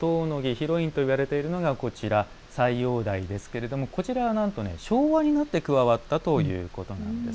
ヒロインといわれているのがこちら斎王代ですけれどもこちらは何と昭和になって加わったということなんです。